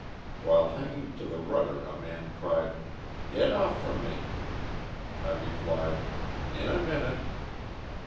While hanging to the rudder a man cried, *' Get off from me." I replied, '*In a min ute."